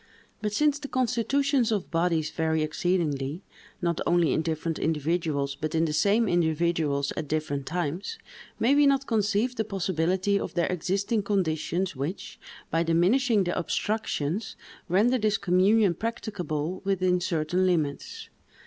But since the constitutions of bodies vary exceedingly, not only in different individuals, but in the same individuals at different times, may we not conceive the possibility of there existing conditions which, by diminishing the obstructions, render this communion practicable within certain limits?